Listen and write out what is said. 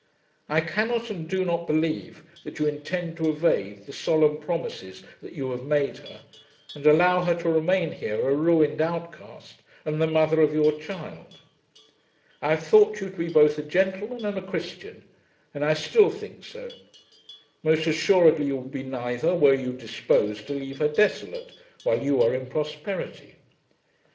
I cannot and do not believe that you intend to evade the solemn promises that you have made her, and allow her to remain here a ruined outcast, and the mother of your child. I have thought you to be both a gentleman and a christian, and I still think so. Most assuredly you would be neither were you disposed to leave her desolate, while you are in prosperity.